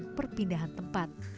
untuk berpindah ke tempat